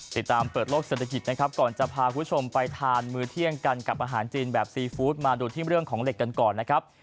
ติดตามเปิดโลกเศรษฐกิจนะครับก่อนจะพาคุณผู้ชมไปทานมือเที่ยงกันกับอาหารจีนแบบซีฟู้ดมาดูที่เรื่องของเหล็กกันก่อนนะครับ